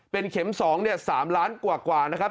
เป็นเข็มสอง๓ล้านกว่ากว่านะครับ